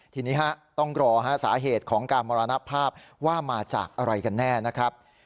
ทีนี้ต้องรอสาเหตุของการมรณภาพว่ามาจากอะไรกันแน่นะครับ